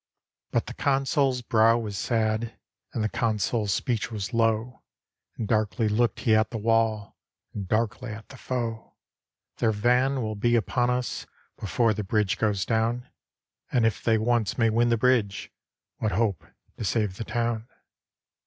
But the Consul's brow was sad, And the Consul's speech was low, And darkly looked he at the wall, And darkly at the foe. "Their van will be upon us Before the bridge goes down; And if they once may win the bridge, What hope to save the town